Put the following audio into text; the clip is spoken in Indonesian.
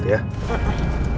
aku udah selesai